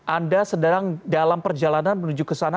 anda sedang dalam perjalanan menuju ke sana